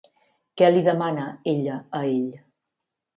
Què li demana ella a ell?